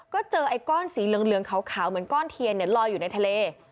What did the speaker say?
ก็เจอไอ้ก้อนสีเหลืองขาวเหมือนก้อนเทียนลอยอยู่ในทะเล